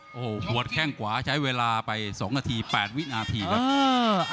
โอ้โหพวกแค่งขวาใช้เวลาไป๒สัน๘วินาทีครับ